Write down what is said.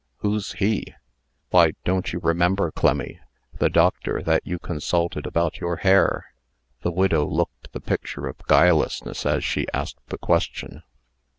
"Who's he?" "Why, don't you remember, Clemmy, the doctor that you consulted about your hair?" The widow looked the picture of guilelessness as she asked the question.